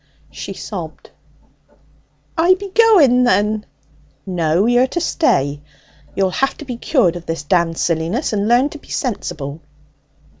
She sobbed. 'I be going, then.' 'No. You're to stay. You'll have to be cured of this damned silliness, and learn to be sensible.'